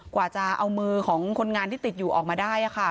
กว่าจะเอามือของคนงานที่ติดอยู่ออกมาได้ค่ะ